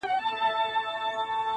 ګلسوم د نجونو نښه ده تل,